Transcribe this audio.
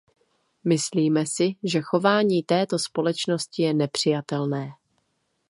Myslíme si, že chování této společnosti je nepřijatelné.